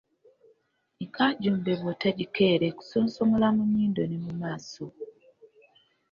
Enkajumbe bw'otagikeera ekusonsomola mu nnyindo ne mu maaso.